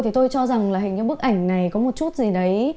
thì tôi cho rằng là hình cái bức ảnh này có một chút gì đấy